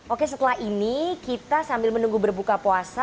oke setelah ini kita sambil menunggu berbuka puasa